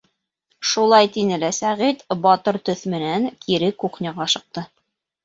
Шулай тине лә Сәғит батыр төҫ менән кире кухняға ашыҡты.